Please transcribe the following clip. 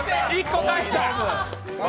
１個返した。